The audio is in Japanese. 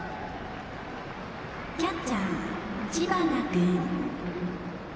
キャッチャー、知花君。